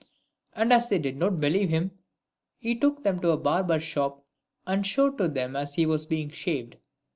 And as they did not believe him, he took them to a barber's shop, and showed him to them as he was being shaved.